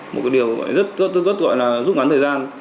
một điều rất gọi là giúp ngắn thời gian